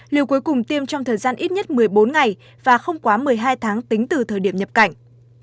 liều cuối cùng tiêm trong thời gian ít nhất một mươi bốn ngày và không quá một mươi hai tháng tính từ thời điểm nhập cảnh